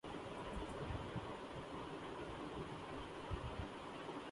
تیل کی پیداوار پر اوپیک ممالک کے مابین معاہدہ ممکن نہیں